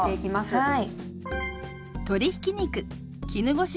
はい。